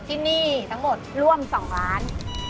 ที่นี่ร่วม๒ล้าน